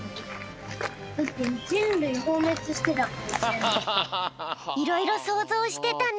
だっていろいろそうぞうしてたね。